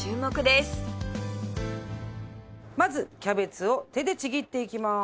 まずキャベツを手でちぎっていきます。